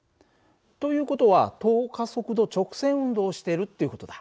という事は等加速度直線運動をしてるっていう事だ。